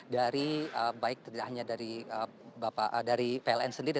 dari baik tidak hanya dari pln sendiri